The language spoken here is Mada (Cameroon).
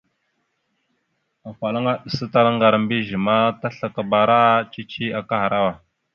Afalaŋa aɗəsatalá ŋgar a mbiyez ma, taslakabara cici akahərawa.